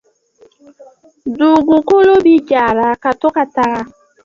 • Dugukolo bi jara ka to ka taga ;